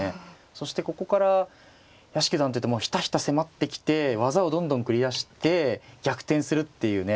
そしてここから屋敷九段というとひたひた迫ってきて技をどんどん繰り出して逆転するっていうね